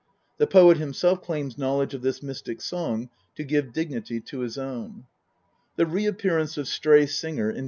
The poet himself claims knowledge of this mystic song to give dignity to his own. The reappearance of Stray Singer in st.